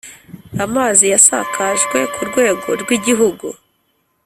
Amazi yasakajwe ku rwego rw igihugu.